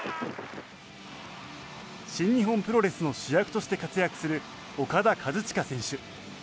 新日本プロレスの主役として活躍するオカダ・カズチカ選手。